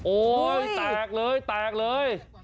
โอ๊ยแตกเลยแตกเลย